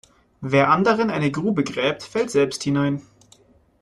Wer anderen eine Grube gräbt, fällt selbst hinein.